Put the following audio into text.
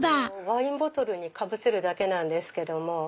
ワインボトルにかぶせるだけなんですけども。